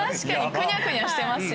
くにゃくにゃしてますしね。